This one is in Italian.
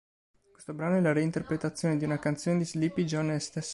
Questo brano è la reinterpretazione di una canzone di Sleepy John Estes.